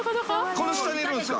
この下にいるんすか？